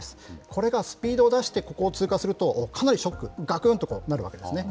これがスピードを出して、ここを通過すると、かなりショック、がくんとなるわけですね。